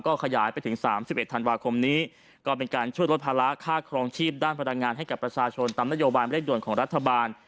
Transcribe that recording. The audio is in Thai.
ก็ขยายไปถึง๓๑ธันวาคมนี้ก็เป็นการช่วยลดภาระค่าครองชีพด้านพลังงานให้กับประชาชนตามนโยบายเร่งด่วนของรัฐบาล